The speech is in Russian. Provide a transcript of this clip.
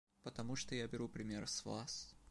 Потому что я беру пример с Вас.